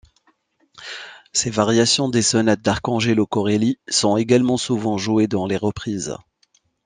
Ses variations des sonates d'Arcangelo Corelli sont également souvent jouées dans les reprises.